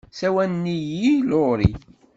Ssawalen-iyi Laurie.